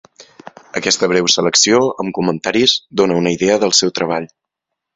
Aquesta breu selecció, amb comentaris, dóna una idea del seu treball.